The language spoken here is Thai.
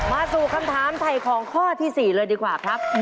มาสู่คำถามไถ่ของข้อที่๔เลยดีกว่าครับ